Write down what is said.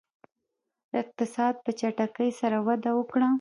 اقتصاد په چټکۍ سره وده وکړه.